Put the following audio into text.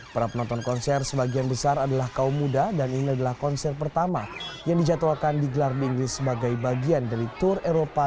para penonton konser sebagian besar adalah kaum muda dan ini adalah konser pertama yang dijadwalkan digelar di inggris sebagai bagian dari tour eropa